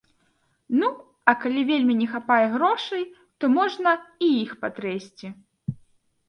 Ну, а калі вельмі не хапае грошай, то можна і іх патрэсці.